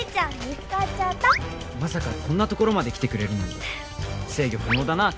見つかっちゃったまさかこんなところまで来てくれるなんて制御不能だなあ